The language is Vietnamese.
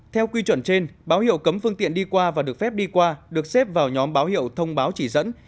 theo quy chuẩn trên báo hiệu cấm phương tiện đi qua và được phép đi qua được xếp vào nhóm báo hiệu thông báo chỉ dẫn